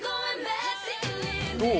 どう？